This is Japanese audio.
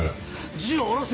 銃を下ろせ！